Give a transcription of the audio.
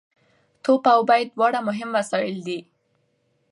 توپ او بېټ دواړه مهم وسایل دي.